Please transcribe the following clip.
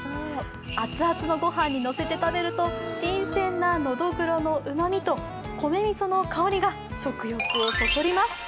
熱々の御飯にのせて食べると新鮮なのどぐろのうまみと米みその香りが食欲をそそります。